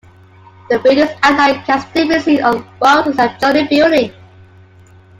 The building's outline can still be seen on what was the adjoining building.